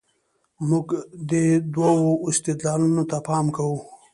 موږ دې دوو استدلالونو ته پام کوو.